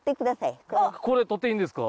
これとっていいんですか？